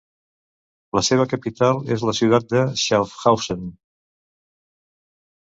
La seva capital és la ciutat de Schaffhausen.